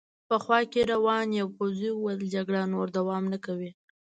په خوا کې روان یوه پوځي وویل: جګړه نور دوام نه کوي.